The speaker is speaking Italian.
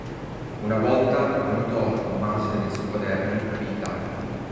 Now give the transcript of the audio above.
Una volta annotò a margine del suo quaderno: "Vita!